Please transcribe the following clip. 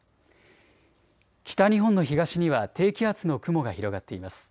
北日本の東には低気圧の雲が広がっています。